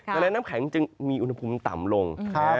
ดังนั้นน้ำแข็งจึงมีอุณหภูมิต่ำลง